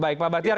baik pak batiar